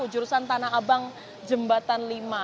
jurusan tanah abang jembatan lima